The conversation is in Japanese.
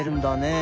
え！